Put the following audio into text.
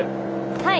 はい。